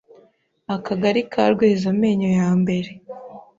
akagari ka rwezamenyo ya mbere